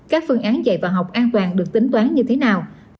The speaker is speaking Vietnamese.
các phương án dạy và học an toàn được tính toán như thế nào